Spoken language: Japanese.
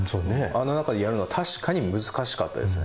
あの中でやるのは確かに難しかったですね。